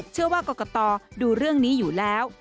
เชื่อว่ากรกตดูเรื่องนี้อยู่แล้ว